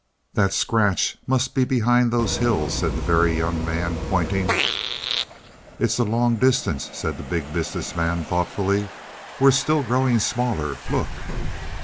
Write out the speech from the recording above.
"The scratch must be behind those hills," said the Very Young Man, pointing. "It's a long distance," said the Big Business Man thoughtfully. "We're still growing smaller look."